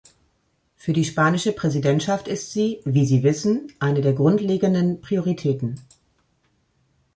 Für die spanische Präsidentschaft ist sie, wie Sie wissen, eine der grundlegenden Prioritäten.